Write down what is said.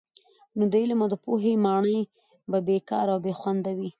نو د علم او پوهي ماڼۍ به بې کاره او بې خونده وي.